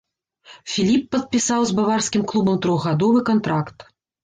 Філіп падпісаў з баварскім клубам трохгадовы кантракт.